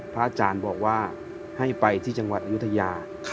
อาจารย์บอกว่าให้ไปที่จังหวัดอายุทยา